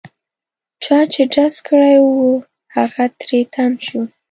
چا چې ډز کړی وو هغه تري تم شو.